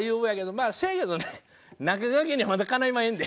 まあせやけどね中川家にはまだかないまへんで。